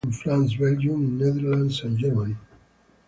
He fought in France, Belgium, the Netherlands and Germany.